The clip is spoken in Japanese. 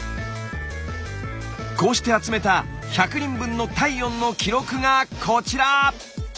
こうして集めた１００人分の体温の記録がこちら！